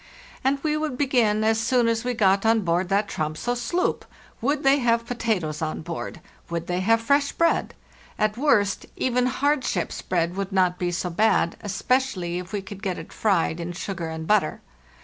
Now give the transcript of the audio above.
And we would begin as soon as we got on board that Tromso sloop. Would they have pota toes on board? Would they have fresh bread? At worst, even hard ship's bread would not be so_ bad, especially if we could get it fried in sugar and_ butter.